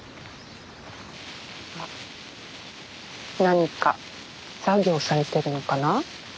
何か作業されてるのかな？